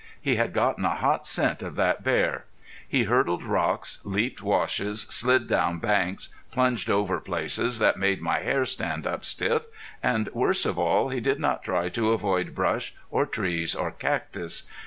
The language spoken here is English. He had gotten a hot scent of that bear. He hurdled rocks, leaped washes, slid down banks, plunged over places that made my hair stand up stiff, and worst of all he did not try to avoid brush or trees or cactus.